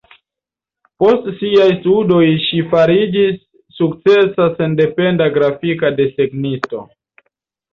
Post siaj studoj ŝi fariĝis sukcesa sendependa grafika desegnisto.